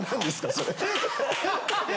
それ。